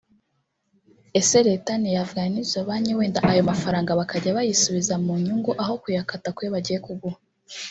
Ese Leta ntiyavugana n’izo banki wenda ayo mafaranga bakajya bayisubiza mu nyugu aho kuyakata kuyo bagiye kuguha